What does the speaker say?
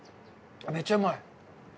めっちゃうまい。